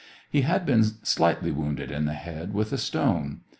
He had been slightly wounded in the head with a stone.